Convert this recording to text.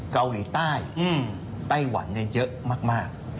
เกาหลีใต้ไต้หวันเยอะมาก